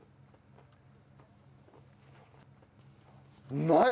うまい。